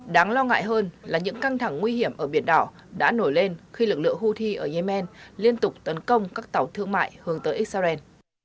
đáng lo ngại hơn là những căng thẳng nguy hiểm ở biển đỏ đã nổi lên khi lực lượng houthi ở yemen liên tục tấn công các tàu thương mại hướng tới israel